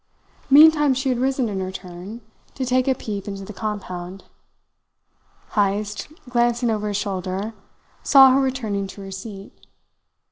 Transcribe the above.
Meantime she had risen in her turn, to take a peep into the compound. Heyst, glancing over his shoulder, saw her returning to her seat.